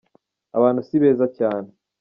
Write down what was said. Abantu sibeza cyane.